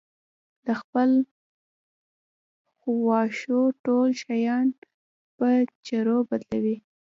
د خپل خواوشا ټول شيان په چرو بدلوي.